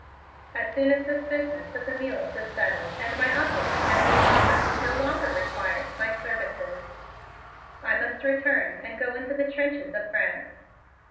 "As soon as this business of the mules is settled and my Uncle, the General Robert, no longer requires my services, I must return and go into the trenches of France."